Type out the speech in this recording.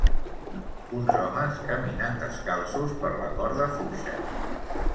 Uns homes caminen descalços per la corda fluixa.